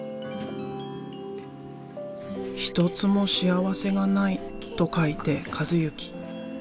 「一つも幸せがない」と書いて「一幸」。